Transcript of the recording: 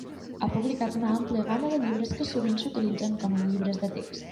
Ha publicat una àmplia gamma de llibres, que sovint s'utilitzen com a llibres de text.